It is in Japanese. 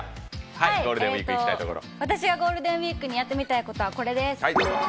私がゴールデンウイークにやってみたいことは、これです。